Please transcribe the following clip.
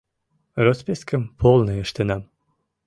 Роспискым полный ыштенам.